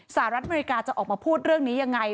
สหรัฐอเมริกาจะออกมาพูดเรื่องนี้ยังไง